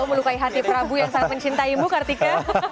melukai hati prabu yang sangat mencintaimu kartika